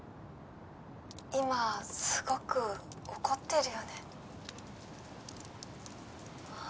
今すごく怒ってるよね？